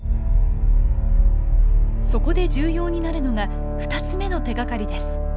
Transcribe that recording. そこで重要になるのが２つ目の手がかりです。